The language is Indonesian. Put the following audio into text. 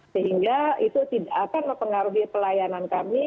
sehingga itu tidak akan mempengaruhi pelayanan kami